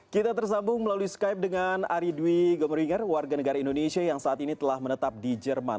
kita tersambung melalui skype dengan ari dwi gomeringer warga negara indonesia yang saat ini telah menetap di jerman